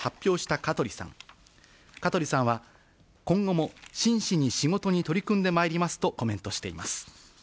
香取さんは今後も真摯に仕事に取り組んでまいりますとコメントしています。